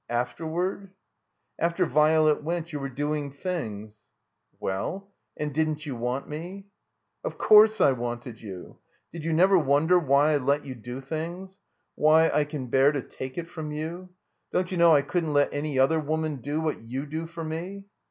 '* "Afterward—?" After Virelet went you were doing things." Well — and didn't you want me?" "Of course I wanted you. Did you never wonder why I let you do things? Why I can bear to take it from you? Don't you know I couldn't let any other woman do what you do for me?"